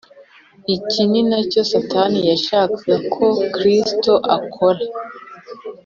.. Iki ni nacyo Satani yashakaga ko Kristo akora